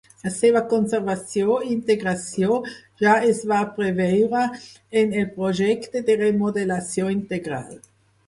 La seva conservació i integració ja es va preveure en el projecte de remodelació integral.